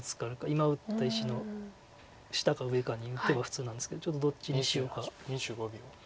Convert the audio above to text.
今打った石の下か上かに打てば普通なんですけどちょっとどっちにしようか。